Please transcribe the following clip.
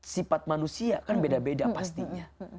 sifat manusia kan beda beda pastinya